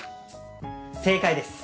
正解です。